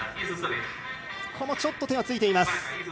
ちょっと手はついています。